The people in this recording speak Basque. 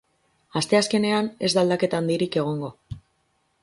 Asteazkenean, ez da aldaketa handirik egongo.